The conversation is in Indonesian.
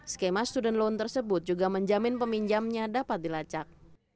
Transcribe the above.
skema student loan tersebut juga menjamin peminjamnya dapat dilacak